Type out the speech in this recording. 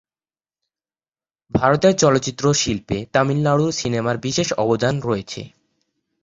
ভারতের চলচ্চিত্র শিল্পে তামিলনাড়ুর সিনেমার বিশেষ অবদান রয়েছে।